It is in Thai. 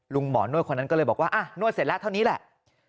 หมอนวดคนนั้นก็เลยบอกว่านวดเสร็จแล้วเท่านี้แหละ